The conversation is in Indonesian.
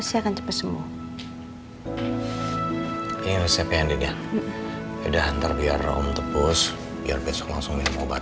ini resep tolong ditembus segera